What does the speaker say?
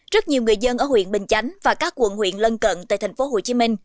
rất nhiều người dân ở huyện bình chánh và các quận huyện lân cận tại tp hcm